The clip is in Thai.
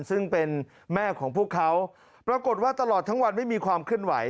ซึ่งเป็นแม่ของพวกเขาปรากฏว่าตลอดทั้งวันไม่มีความเคลื่อนไหว